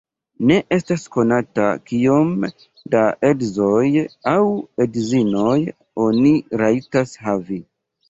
Ne estas konata kiom da edzoj aŭ edzinoj oni rajtas havi.